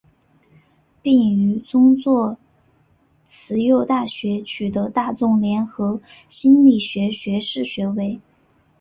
并于宗座慈幼大学取得大众传播心理学学士学位。